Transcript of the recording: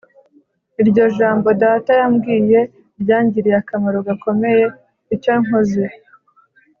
Iryo jambo data yambwiye ryangiriye akamaro gakomeye. Icyo nkoze